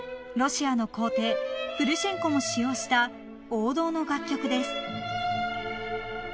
ロシアの皇帝プルシェンコも使用した王道の楽曲です］